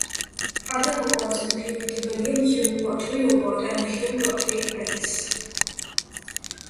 Other awards include the William Hume-Rothery Award and the Hume-Rothery Prize.